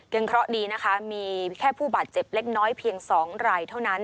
เพราะดีนะคะมีแค่ผู้บาดเจ็บเล็กน้อยเพียง๒รายเท่านั้น